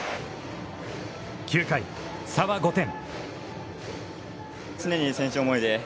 ９回、差は５点。